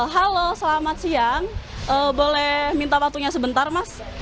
halo selamat siang boleh minta waktunya sebentar mas